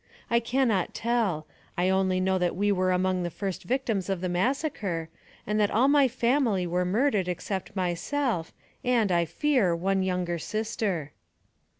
u I can not tell ; I only know that we were among the first victims of the massacre, and that all my fam ily were murdered except myself, and, I fear, one younger sister."